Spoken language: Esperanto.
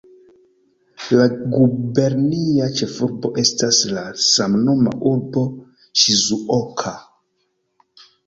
La gubernia ĉefurbo estas la samnoma urbo Ŝizuoka.